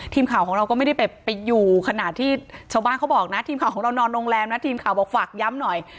ทีมข่าวของเราก็ไม่ได้ไปอยู่ขนาดที่ชาวบ้านเขาบอกนะทีมข่าวของเรานอนโรงแรมนะทีมข่าวบอกฝากย้ำหน่อย